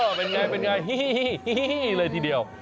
เฮ้อเป็นอย่างไรเลยทีเดียว